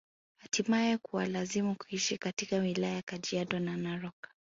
Hatimae kuwalazimu kuishi katika wilaya ya Kajiado na Narok